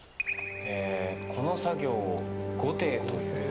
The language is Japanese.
この作業を護蹄という。